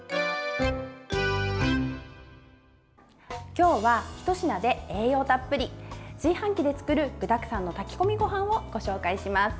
今日はひと品で栄養たっぷり炊飯器で作る具だくさんの炊き込みご飯をご紹介します。